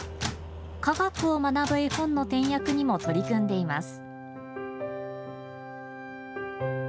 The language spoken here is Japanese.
科学を学ぶ絵本の点訳にも取り組んでいます。